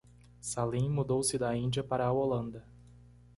Salim mudou-se da Índia para a Holanda.